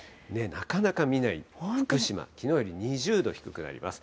なかなか見ない、福島、きのうより２０度低くなります。